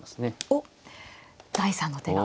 おっ第３の手が。